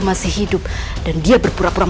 masih hidup dan dia berpura pura